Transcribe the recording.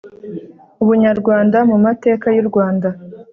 ubunyarwanda mu mateka y u Rwanda